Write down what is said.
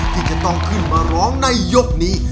ที่จะต้องขึ้นมาร้องในยกนี้